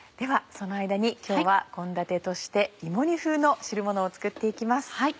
その間に今日は献立として芋煮風の汁ものを作って行きます。